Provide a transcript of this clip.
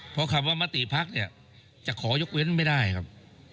เพราะคำว่ามติภักดิ์เนี่ยจะขอยกเว้นไม่ได้ครับ